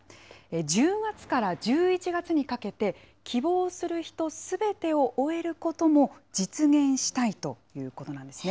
１０月から１１月にかけて、希望する人すべてを終えることも実現したいということなんですね。